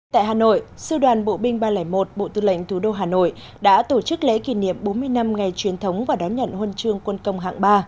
tại hà nội sư đoàn bộ binh ba trăm linh một bộ tư lệnh thủ đô hà nội đã tổ chức lễ kỷ niệm bốn mươi năm ngày truyền thống và đón nhận huân chương quân công hạng ba